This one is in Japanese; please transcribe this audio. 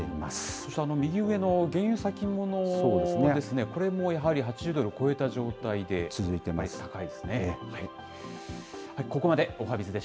そして、右上の原油先物ですね、これもやはり８０ドルを超え高いですね。